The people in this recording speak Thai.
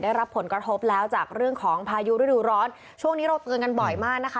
ได้รับผลกระทบแล้วจากเรื่องของพายุฤดูร้อนช่วงนี้เราเตือนกันบ่อยมากนะคะ